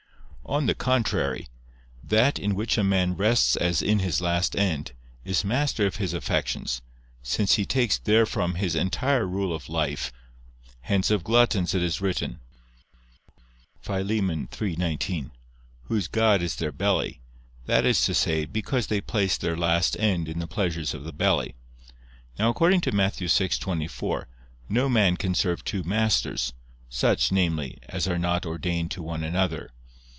On the contrary, That in which a man rests as in his last end, is master of his affections, since he takes therefrom his entire rule of life. Hence of gluttons it is written (Phil. 3:19): "Whose god is their belly": viz. because they place their last end in the pleasures of the belly. Now according to Matt. 6:24, "No man can serve two masters," such, namely, as are not ordained to one another.